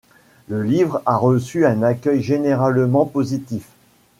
Le livre a reçu un accueil généralement positif.